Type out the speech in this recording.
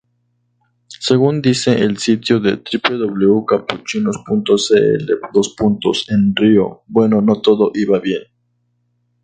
Según dice el sitio de www.capuchinos.cl: "en Río Bueno no todo iba bien.